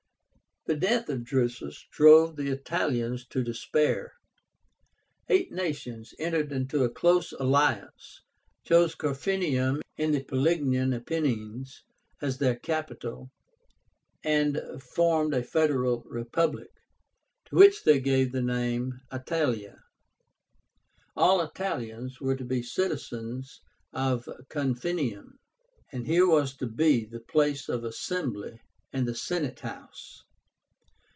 The death of Drusus drove the Italians to despair. Eight nations entered into a close alliance, chose CORFINIUM, in the Pelignian Apennines, as their capital, and formed a Federal Republic, to which they gave the name ITALIA. All Italians were to be citizens of Corfinium, and here was to be the place of assembly and the Senate House.